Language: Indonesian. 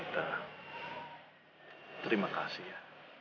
terima kasih ya